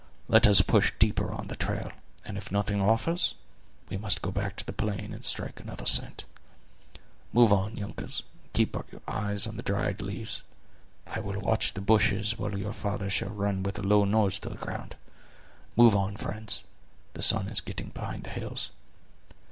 Let us push deeper on the trail, and if nothing offers, we must go back to the plain and strike another scent. Move on, Uncas, and keep your eyes on the dried leaves. I will watch the bushes, while your father shall run with a low nose to the ground. Move on, friends; the sun is getting behind the hills."